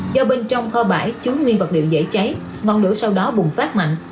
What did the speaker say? do bên trong kho bãi chứa nguyên vật liệu dễ cháy ngọn lửa sau đó bùng phát mạnh